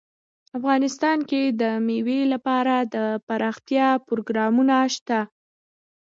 افغانستان کې د مېوې لپاره دپرمختیا پروګرامونه شته.